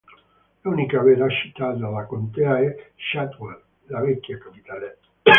L'unica vera città della contea è Shadwell, la vecchia capitale.